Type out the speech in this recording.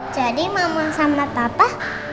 jadi mama sama papa